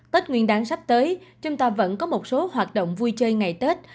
tết nguyên đáng sắp tới chúng ta vẫn có một số hoạt động vui chơi ngày tết